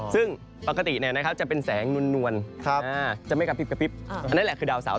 ซึ่งปกติจะเป็นแสงนวลจะไม่กระพริบกระพริบอันนั้นแหละคือดาวเสาร์